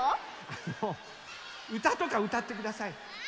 あのうたとかうたってください。